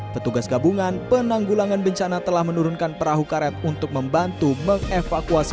petugas gabungan penanggulangan bencana telah menurunkan perahu karet untuk membantu mengevakuasi